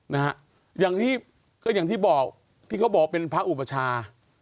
คืออย่างที่เขาบอกเขาบอกเป็นพระอุปชา